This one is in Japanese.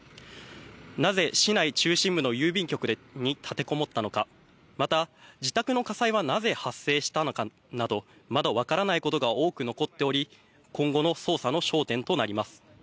なぜ、市内中心部の郵便局に立てこもったのかまた、自宅の火災はなぜ発生したのかなどまだ分からないことが多く残っており今後の捜査の焦点となります。